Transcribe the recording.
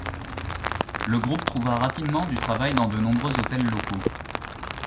Le groupe trouva rapidement du travail dans de nombreux hôtels locaux.